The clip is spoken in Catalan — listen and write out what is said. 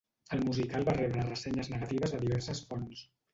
El musical va rebre ressenyes negatives de diverses fonts.